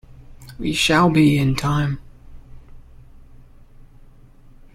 We shall be in time.